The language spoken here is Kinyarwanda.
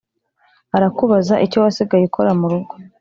Arakubaza icyowasigaye ukora murugo